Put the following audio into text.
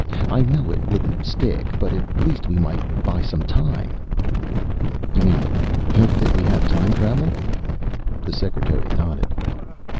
"I know it wouldn't stick, but at least we might buy some time." "You mean hint that we have time travel?" The secretary nodded.